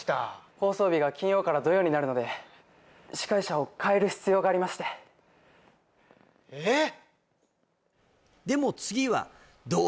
放送日が金曜から土曜になるので司会者をかえる必要がありましてえっ？